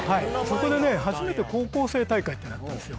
そこでね初めて高校生大会っていうのあったんですよ